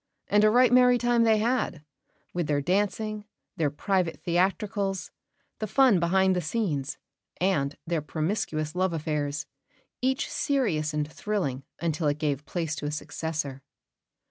And a right merry time they had, with their dancing, their private theatricals, the fun behind the scenes, and their promiscuous love affairs, each serious and thrilling until it gave place to a successor.